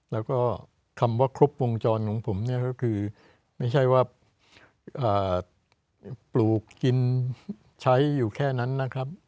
แล้วก็คำว่าครบวงจรของผมเนี่ยก็คือไม่ใช่ว่าปลูกกินใช้อยู่แค่นั้นนะครับ